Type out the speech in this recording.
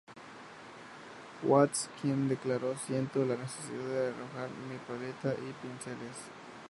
Watts, quien declaró: “Siento la necesidad de arrojar mi paleta y pinceles.